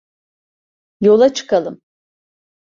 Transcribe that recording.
Yola çıkalım.